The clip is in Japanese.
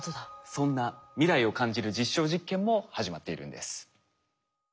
そんな未来を感じる実証実験も始まっているんです。